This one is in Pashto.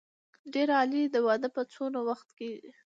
ډېر عالي د واده مو څونه وخت کېږي.